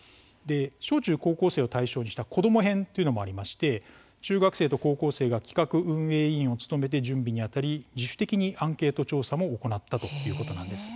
小中高校生を対象にした子ども編というのもあり中学生と高校生が企画運営委員を務めて準備に当たり、自主的にアンケート調査も行ったということなんです。